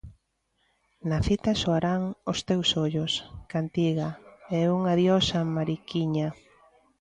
Na cita soarán 'Os teus ollos', 'Cantiga' e 'Un adiós á Mariquiña'.